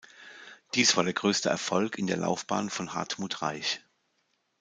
Dies war der größte Erfolg in der Laufbahn von Hartmut Reich.